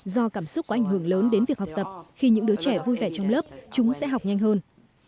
do cảm xúc có ảnh hưởng lớn đến việc học tập khi những đứa trẻ vui vẻ trong lớp chúng sẽ học nhanh hơn